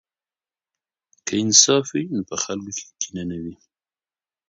که انصاف وي نو په خلکو کې کینه نه وي.